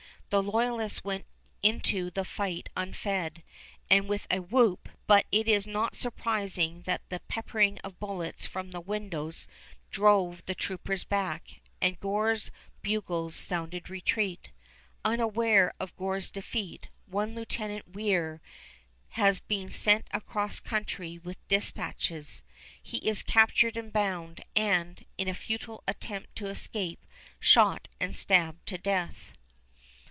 The loyalists went into the fight unfed, and with a whoop; but it is not surprising that the peppering of bullets from the windows drove the troopers back, and Gore's bugles sounded retreat. Unaware of Gore's defeat, one Lieutenant Weir has been sent across country with dispatches. He is captured and bound, and, in a futile attempt to escape, shot and stabbed to death.